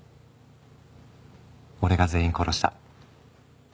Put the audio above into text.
俺が全員殺した。